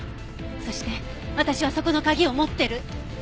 そして私はそこの鍵を持ってる。